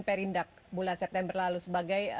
perindak bulan september lalu sebagai